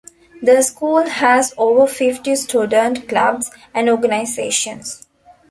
The school has over fifty student clubs and organizations.